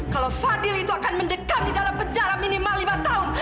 kalau fadil itu akan mendekam di dalam penjara minimal lima tahun